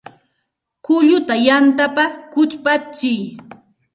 Kulluta yantapa kuchpatsiy